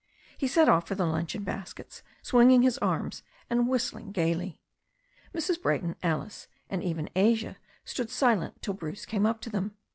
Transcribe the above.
He set off for the luncheon baskets, swinging his arms and whistling gaily. Mrs. Brayton, Alice, and even Asia stood silent till Bruce came up to them.